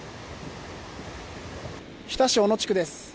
日田市オノ地区です。